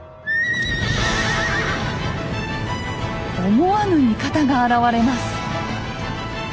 思わぬ味方が現れます。